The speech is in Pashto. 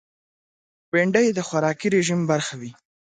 بېنډۍ د خوراکي رژیم برخه وي